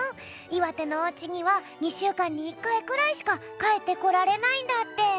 いわてのおうちには２しゅうかんに１かいくらいしかかえってこられないんだって。